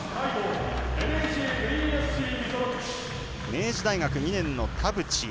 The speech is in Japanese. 明治大学２年の田渕。